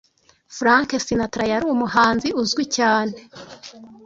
Frank Sinatra yari umuhanzi uzwi cyane